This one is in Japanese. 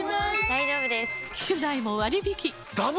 大丈夫です！